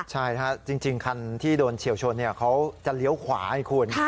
ใช่จริงคันที่โดนเฉียวชนเขาจะเลี้ยวขวาให้คุณ